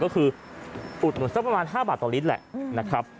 ก็คืออุดหนุนสักประมาณ๕บาทต่อลิตรแหละนะครับ